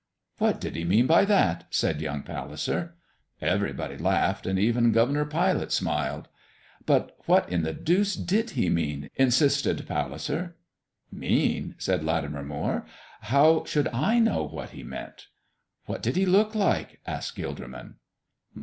'" "What did He mean by that?" said young Palliser. Everybody laughed, and even Governor Pilate smiled. "But what in the deuce did He mean?" insisted Palliser. "Mean?" said Latimer Moire. "How should I know what He meant?" "What did He look like?" asked Gilderman.